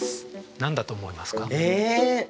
何だと思いますか？え？